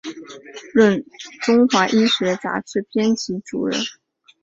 任中华医学杂志编辑主任。